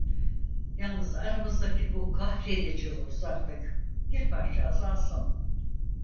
Yalnız aramızdaki bu kahredici uzaklık bir parça azalsın.